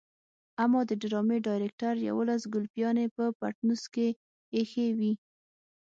اما د ډرامې ډايرکټر يوولس ګلپيانې په پټنوس کې ايښې وي.